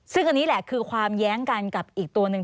ซึ่งอันนี้แหละคือความแย้งกันกับอีกตัวหนึ่ง